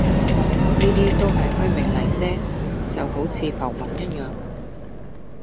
呢啲都係虛名嚟啫，就好似浮雲一樣